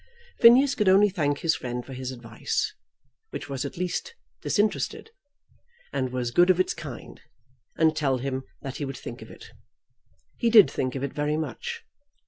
Phineas could only thank his friend for his advice, which was at least disinterested, and was good of its kind, and tell him that he would think of it. He did think of it very much.